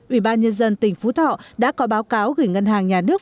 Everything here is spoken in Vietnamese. ubnd tỉnh phú thọ đã có báo cáo gửi ngân hàng nhà nước